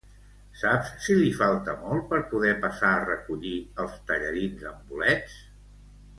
Saps si li falta molt per poder passar a recollir els tallarins amb bolets?